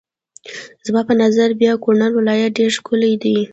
زما په نظر بیا کونړ ولایت ډېر ښکلی دی.